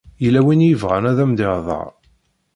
Yella win i yebɣan ad m-d-ihḍeṛ.